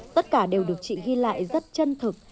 tất cả đều được chị ghi lại rất chân thực